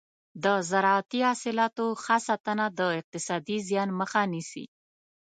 د زراعتي حاصلاتو ښه ساتنه د اقتصادي زیان مخه نیسي.